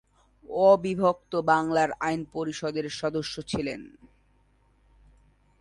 অবিভক্ত বাংলার আইন পরিষদের সদস্য ছিলেন।